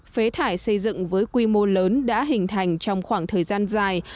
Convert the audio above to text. phế thải xây dựng với quy mô lớn đã hình thành trong khoảng thời gian dài